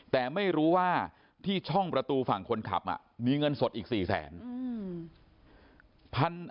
แต่ไม่รู้ว่าที่ช่องประตูฝั่งคนขับมีเงินสดอีก๔แสน